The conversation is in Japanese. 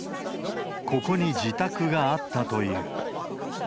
ここに自宅があったという。